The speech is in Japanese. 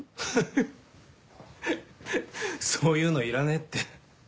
フフっそういうのいらねえって。